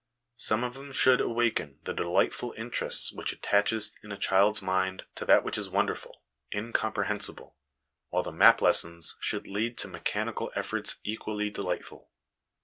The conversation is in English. Some of them should awaken the delightful interest which attaches in a child's mind to that which is wonderful, incomprehensible, while the map lessons should lead to mechanical efforts equally delightful.